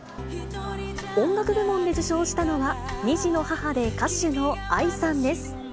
音楽部門で受賞したのは、２児の母で歌手のＡＩさんです。